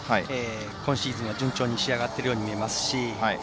今シーズンは順調に仕上がっているように見えます。